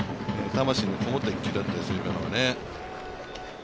魂のこもった一球だったですよ、今のはね。